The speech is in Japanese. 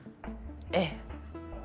ええ。